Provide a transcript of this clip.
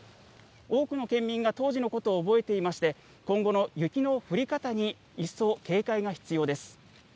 多くの県民が当時のことを覚えていまして、今後の雪の降り方に一層警戒が必要です。